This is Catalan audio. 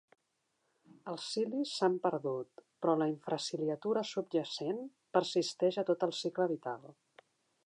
Els cilis s'han perdut, però la infraciliatura subjacent persisteix a tot el cicle vital.